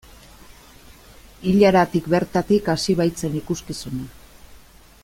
Ilaratik bertatik hasi baitzen ikuskizuna.